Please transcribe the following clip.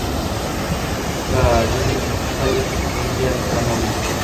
va jimlik tuhfa et menga samoviy